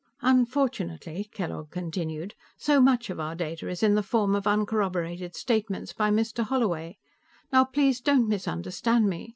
"Unfortunately," Kellogg continued, "so much of our data is in the form of uncorroborated statements by Mr. Holloway. Now, please don't misunderstand me.